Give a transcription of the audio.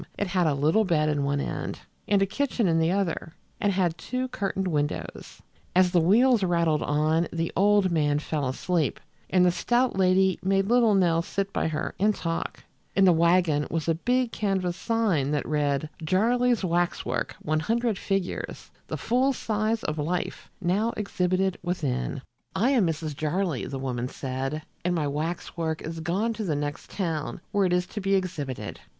It had a little bed in one end, and a kitchen in the other, and had two curtained windows. As the wheels rattled on the old man fell asleep, and the stout lady made little Nell sit by her and talk. In the wagon was a big canvas sign that read: __________________________||| JARLEY'S WAXWORK || ONE HUNDRED FIGURES || THE FULL SIZE OF LIFE || NOW EXHIBITED WITHIN ||__________________________| "I am Mrs. Jarley," the woman said, "and my waxwork is gone to the next town, where it is to be exhibited."